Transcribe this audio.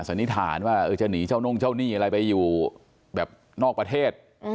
สันนิษฐานว่าจะหนีเจ้าน่งเจ้าหนี้อะไรไปอยู่แบบนอกประเทศ